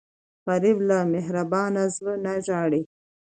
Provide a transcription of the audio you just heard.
غریب له مهربان زړه نه ژاړي